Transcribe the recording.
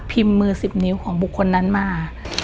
มือ๑๐นิ้วของบุคคลนั้นมา